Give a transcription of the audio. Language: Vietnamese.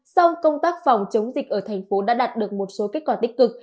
song công tác phòng chống dịch ở thành phố đã đạt được một số kết quả tích cực